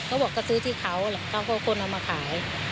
เขาบอกก็ซื้อที่เขาเขาก็คนเอามาขาย